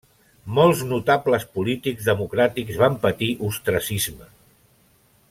Molts notables polítics democràtics van patir ostracisme.